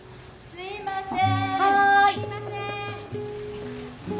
・すいません。